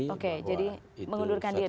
oke jadi mengundurkan diri